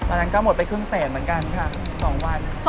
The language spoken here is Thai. อันนั้นก็หมดไปครึ่งแสนเหมือนกันค่ะ๒วัน